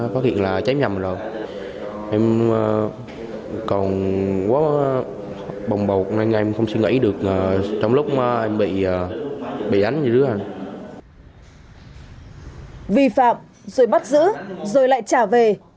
vì phạm rồi bắt giữ rồi lại trả về